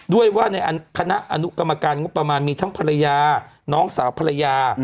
ด้วยว่าในคณะอนุกรรมการงบประมาณมีทั้งภรรยาน้องสาวภรรยา